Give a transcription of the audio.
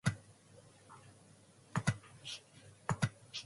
The FatBits editing mode set the standard for many future editors.